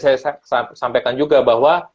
saya sampaikan juga bahwa